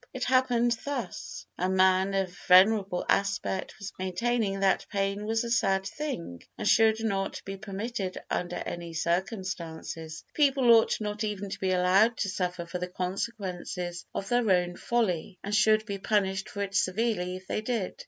It happened thus:— A man of venerable aspect was maintaining that pain was a sad thing and should not be permitted under any circumstances. People ought not even to be allowed to suffer for the consequences of their own folly, and should be punished for it severely if they did.